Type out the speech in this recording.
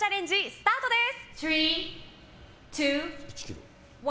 スタートです！